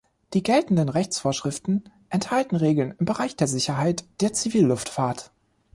Die geltenden Rechtsvorschriften enthalten Regeln im Bereich der Sicherheit der Zivilluftfahrt.